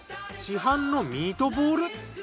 市販のミートボール。